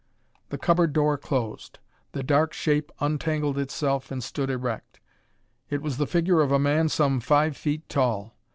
The cupboard door closed. The dark shape untangled itself and stood erect. It was the figure of a man some five feet tall.